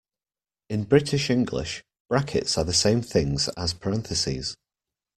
In British English, brackets are the same things as parentheses